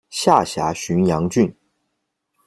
下辖寻阳郡。